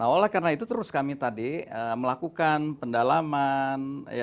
oleh karena itu terus kami tadi melakukan pendalaman